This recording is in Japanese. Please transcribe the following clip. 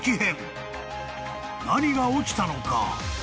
［何が起きたのか？］